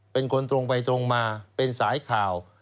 เป็นคนตรงไปตรงมาเป็นสายข่าว